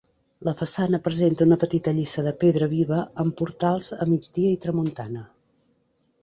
La façana presenta una petita lliça de pedra viva amb portals a migdia i tramuntana.